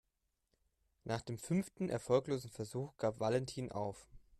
Nach dem fünften erfolglosen Versuch gab Valentin auf.